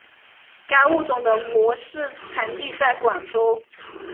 该物种的模式产地在广州。